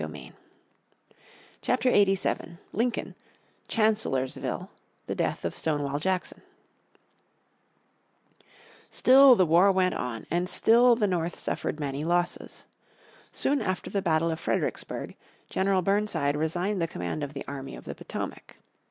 __________ Chapter 87 Lincoln Chancellorsville The Death of Stonewall Jackson Still the war went on, and still the North suffered many losses. Soon after the battle of Fredericksburg General Burnside resigned the command of the army of the Potomac.